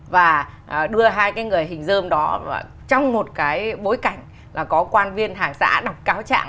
và đưa hai cái người hình dơm đó trong một cái bối cảnh là có quan viên hàng giã đọc cáo trạng